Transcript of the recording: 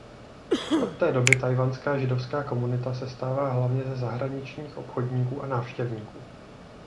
Od té doby tchajwanská židovská komunita sestává hlavně ze zahraničních obchodníků a návštěvníků.